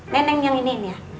neneng yang ini ya